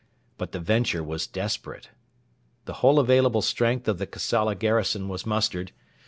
But the venture was desperate. The whole available strength of the Kassala garrison was mustered.